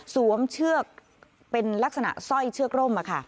มเชือกเป็นลักษณะสร้อยเชือกร่ม